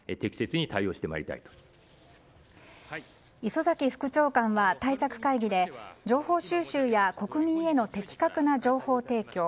磯崎副長官は対策会議で情報収集や国民への的確な情報提供